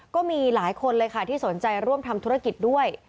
ก็มีหลายคนเลยค่ะที่สนใจร่วมทำธุรกิจด้วย